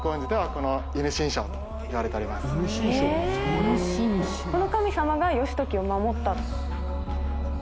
この神様が義時を守った。